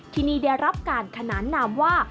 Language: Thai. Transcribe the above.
ที่นี่ได้รับการขนานนามว่า